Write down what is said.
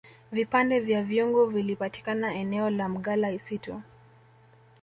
vipande vya vyungu vilipatikana eneo la mgala isitu